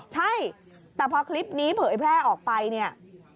ใช่แต่พอคลิปนี้เผยแพร่ออกไปเนี่ย